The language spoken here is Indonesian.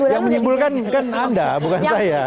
yang menyimpulkan kan anda bukan saya